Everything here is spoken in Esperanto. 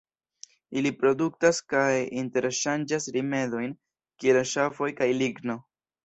Ili produktas kaj interŝanĝas rimedojn kiel ŝafoj kaj ligno.